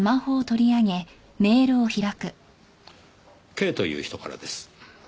Ｋという人からです。